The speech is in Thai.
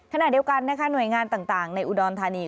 ขณะเดียวกันนะคะหน่วยงานต่างในอุดรธานี